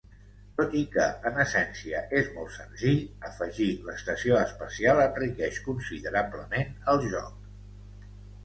Tot i que en essència és molt senzill, afegir l'estació espacial enriqueix considerablement el joc.